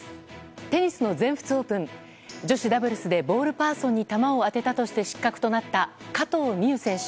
テニスの全仏オープン女子ダブルスでボールパーソンに球を当てたとして失格となった加藤未唯選手。